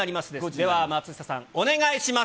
では、松下さん、お願いします。